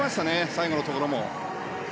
最後のところも。